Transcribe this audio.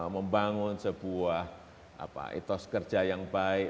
membangun sebuah etos kerja yang baik